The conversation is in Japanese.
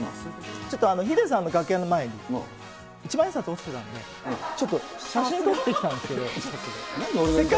ちょっとヒデさんの楽屋の前に、一万円札落ちてたんで、ちょっと写真撮ってきたんですけど。